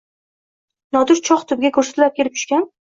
Nodir choh tubiga gursillab kelib tushgan